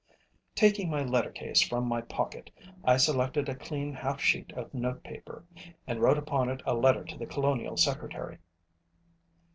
Taking my letter case from my pocket, I selected a clean half sheet of note paper, and wrote upon it a letter to the Colonial Secretary.